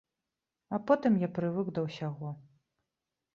А потым я прывык да ўсяго.